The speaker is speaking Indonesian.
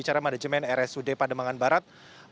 cara manajemen rsud pademangan barat